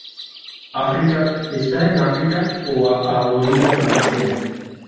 África, ¿está en África o a orillas del Sena?